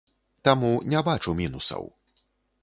Таму не бачу мінусаў.